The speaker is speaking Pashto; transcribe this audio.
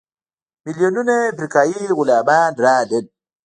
میلیونونه افریقایي غلامان راغلل.